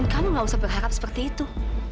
kamu gak usah berharap seperti itu